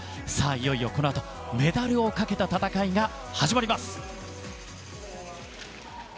いよいよこのあとメダルをかけた戦いが始まります。